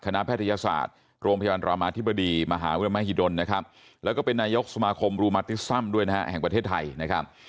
คณะแพทยศาสตร์โรงพยาบาลรามาธิบดีมหาวิทยาลัยมหิดลแล้วก็เป็นนายกสมาคมรูมาติซัมแห่งประเทศไทย